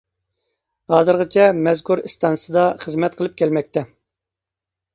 ھازىرغىچە مەزكۇر ئىستانسىسىدا خىزمەت قىلىپ كەلمەكتە.